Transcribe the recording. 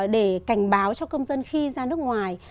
để cảnh báo cho công dân khi ra nước ngoài